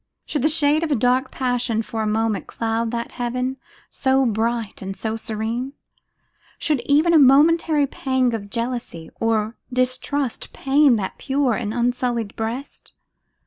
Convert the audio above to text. Should the shade of a dark passion for a moment cloud that heaven, so bright and so serene? Should even a momentary pang of jealousy or distrust pain that pure and unsullied breast?